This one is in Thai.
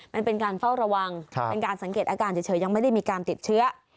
มันเป็นการเฝ้าระวังเป็นการสังเกตอาการเฉยยังไม่ได้มีการติดเชื้อ